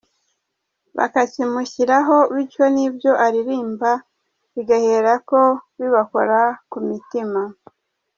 bakakimushyiraho bityo n’ibyo aririmba bigaherako bibakora ku mitima.